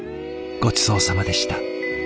ごちそうさまでした。